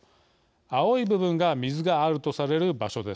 青い部分が水があるとされる場所です。